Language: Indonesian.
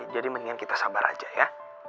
jadi mendingan kita sabar aja ya